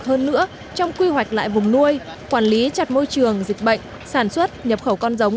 hơn nữa trong quy hoạch lại vùng nuôi quản lý chặt môi trường dịch bệnh sản xuất nhập khẩu con giống